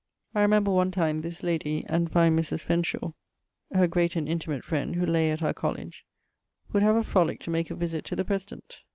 I remember one time this lady and fine Mris. Fenshawe[IX.] (her great and intimate friend, who lay at our college), would have a frolick to make a visitt to the President.